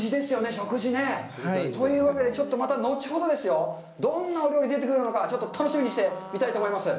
食事ね。というわけで、ちょっとまた後ほどですよ、どんなお料理出てくるのか、ちょっと楽しみにしてみたいと思います。